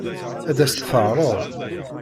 Ad as-tt-teɛṛeḍ?